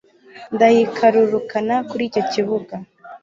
ndayikarurukana kuri icyo kibuga